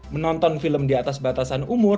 menonton film di atas batasan umur